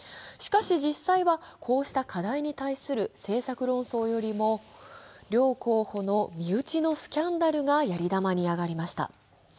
しかし、実際はこうした課題に対する政策論争よりも、両候補の身内のスキャンダルがやり玉に挙がりました。